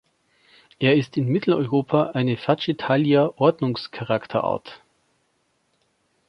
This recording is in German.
Er ist in Mitteleuropa eine Fagetalia-Ordnungscharakterart.